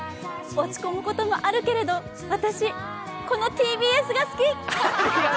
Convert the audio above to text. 落ち込むこともあるけれど私、このＴＢＳが好き！！